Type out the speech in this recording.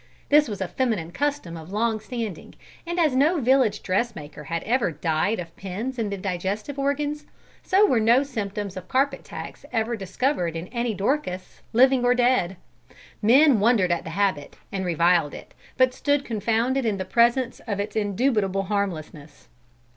This was a feminine custom of long standing, and as no village dressmaker had ever died of pins in the digestive organs, so were no symptoms of carpet tacks ever discovered in any Dorcas, living or dead. Men wondered at the habit and reviled it, but stood confounded in the presence of its indubitable harmlessness.